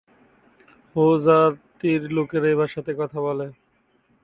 হো জাতির লোকেরা এই ভাষাতে কথা বলে।